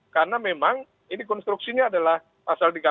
karena memang ini konstruksinya adalah pasal tiga ratus empat puluh